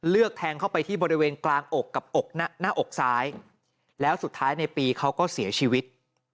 แทงเข้าไปที่บริเวณกลางอกกับอกหน้าอกซ้ายแล้วสุดท้ายในปีเขาก็เสียชีวิต